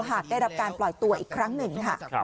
หากได้รับการปล่อยตัวอีกครั้งหนึ่งค่ะ